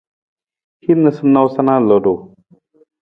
Hin noosanoosa na ludu.